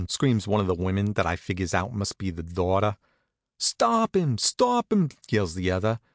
screams one of the women, that I figures out must be the daughter. "Stop 'im! Stop 'im!" yells the other.